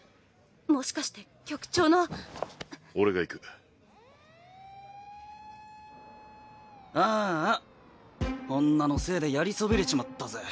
もしかして局長の俺が行くあぁあ女のせいでやりそびれちまっ